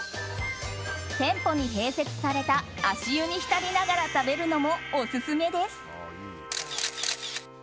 店舗に併設された足湯に浸りながら食べるのもオススメです。